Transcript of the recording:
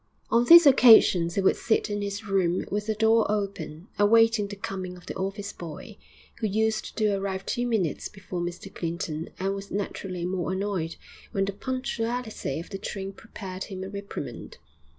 On these occasions he would sit in his room with the door open, awaiting the coming of the office boy, who used to arrive two minutes before Mr Clinton and was naturally much annoyed when the punctuality of the train prepared him a reprimand.